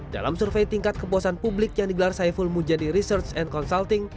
dalam survei tingkat kepuasan publik yang digelar saiful mujani research and consulting